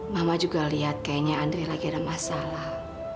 mama juga lihat kayaknya andre lagi ada masalah